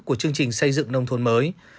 của chương trình xây dựng nông thôn mới